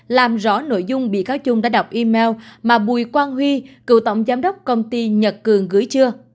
làm rõ nội dung bị cáo trung đã đọc email mà bùi quang huy cựu tổng giám đốc công ty nhật cường gửi chưa